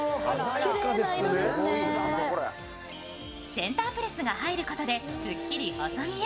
センタープレスが入ることですっきり細見え。